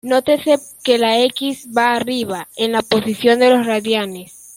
Nótese que la "x" va arriba, en la posición de los radianes.